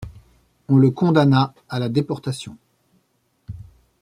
On le condamna à la déportation.